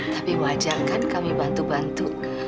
tapi wajah kan kami bantu bantu